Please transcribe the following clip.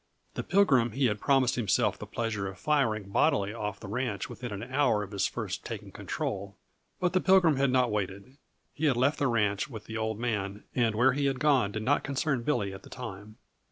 The Pilgrim he had promised himself the pleasure of firing bodily off the ranch within an hour of his first taking control but the Pilgrim had not waited. He had left the ranch with the Old Man and where he had gone did not concern Billy at the time.